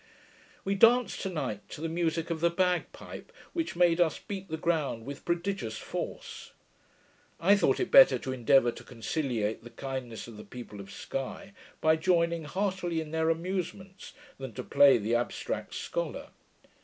We danced to night to the musick of the bagpipe, which made us beat the ground with prodigious force. I thought it better to endeavour to conciliate the kindness of the people of Sky, by joining heartily in their amusements, than to play the abstract scholar.